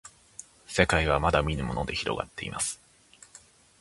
せかいはまだみぬものでひろがっています